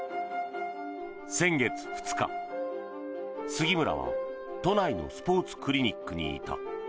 先月２日、杉村は都内のスポーツクリニックにいた。